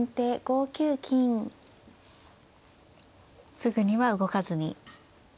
すぐには動かずに。